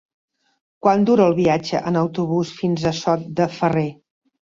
Quant dura el viatge en autobús fins a Sot de Ferrer?